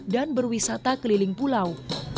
dan berwisata keliling pulau